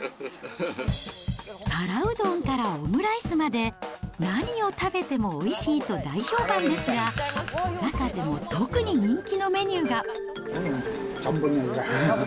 皿うどんからオムライスまで、何を食べてもおいしいと大評判ですが、ちゃんぽんじゃねえか。